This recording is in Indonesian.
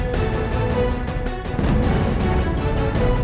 pak pak polisi cepetan